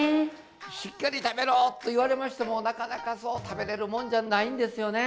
「しっかり食べろ！」と言われましてもなかなかそう食べれるもんじゃないんですよね。